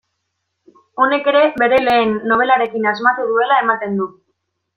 Honek ere bere lehen nobelarekin asmatu duela ematen du.